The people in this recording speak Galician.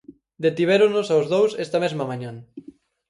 Detivéronos aos dous esta mesma mañá.